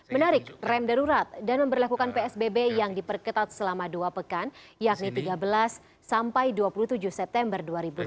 menarik rem darurat dan memperlakukan psbb yang diperketat selama dua pekan yakni tiga belas sampai dua puluh tujuh september dua ribu dua puluh